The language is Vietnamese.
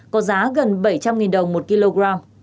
có giá gần bảy trăm linh đồng một kg